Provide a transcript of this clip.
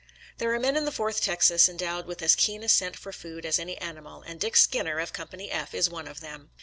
There are men in the Fourth Texas endowed with as keen a scent for food as any animal, and Dick Skinner, of Company F, is one of them.